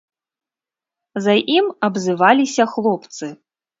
За ім абзываліся хлопцы.